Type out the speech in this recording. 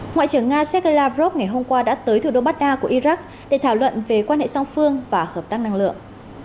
ngoại trưởng nga sergei lavrov ngày hôm qua đã tới thủ đô baghdad của iraq để thảo luận về quan hệ song phương và hợp tác năng lượng